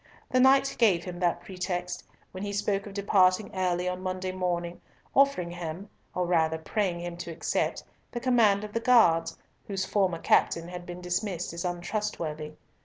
The Knight gave him that pretext, when he spoke of departing early on Monday morning, offering him, or rather praying him to accept, the command of the guards, whose former captain had been dismissed as untrustworthy.